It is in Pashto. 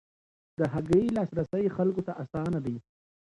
د هګۍ لاسرسی خلکو ته اسانه دی.